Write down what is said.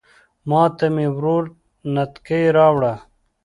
ماته مې ورور نتکۍ راوړه